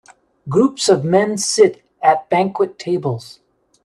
Groups of men sit at banquet tables.